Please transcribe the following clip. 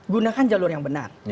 gunakan jalur yang benar